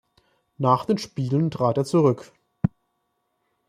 Nach den Spielen trat er zurück.